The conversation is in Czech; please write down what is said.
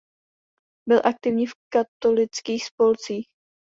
Byl aktivní v katolických spolcích.